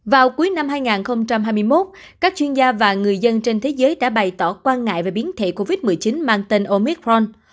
vào cuối năm hai nghìn hai mươi một các chuyên gia và người dân trên thế giới đã bày tỏ quan ngại về biến thể covid một mươi chín mang tên omic ron